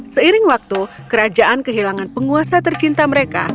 seiring waktu kerajaan kehilangan penguasa tercinta mereka